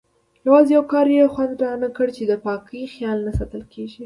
یوازې یو کار یې خوند رانه کړ چې د پاکۍ خیال نه ساتل کېږي.